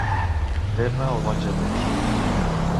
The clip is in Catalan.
Fer-ne el bon Jesús.